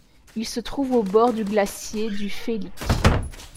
Il se trouve au bord du glacier du Félik.